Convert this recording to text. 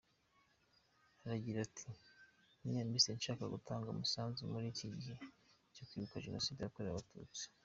Aragira ati: "Nayanditse nshaka gutanga umusanzu muri iki gihe cyo kwibuka Jenoside yakorewe abatutsi".